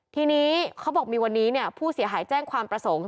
ทีนี้เขาบอกมีวันนี้ผู้เสียหายแจ้งความประสงค์